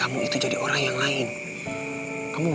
kamu malah kasih kesempatan buat mami tiri kamu itu